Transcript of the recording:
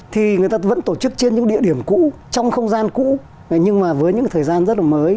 thì người ta vẫn tổ chức trên những địa điểm cũ trong không gian cũ nhưng mà với những thời gian rất là mới